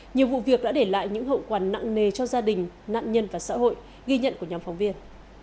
nhiều vụ việc đã để lại những hậu quả nặng nề cho gia đình nạn nhân và xã hội ghi nhận của nhóm phóng viên